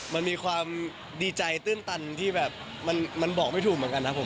มันมีความดีใจตื้นตันที่แบบมันบอกไม่ถูกเหมือนกันนะผม